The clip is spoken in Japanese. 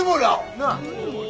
なあ。